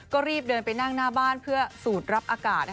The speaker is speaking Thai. ก็รีบเดินไปนั่งหน้าบ้านเพื่อสูดรับอากาศ